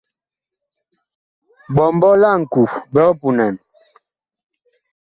Ɓɔmbɔ la ŋku big punan.